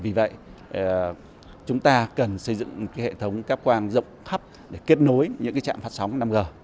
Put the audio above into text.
và vì vậy chúng ta cần xây dựng hệ thống các quang rộng khắp để kết nối những trạm phát sóng năm g